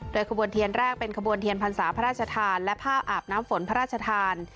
ขบวนเทียนแรกเป็นขบวนเทียนพรรษาพระราชทานและผ้าอาบน้ำฝนพระราชทาน